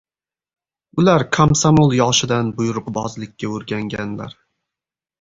Ular komsomol yoshidan buyruqbozlikka o‘rganganlar.